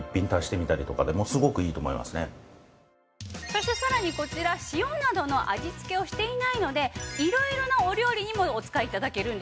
そしてさらにこちら塩などの味付けをしていないので色々なお料理にもお使い頂けるんですね。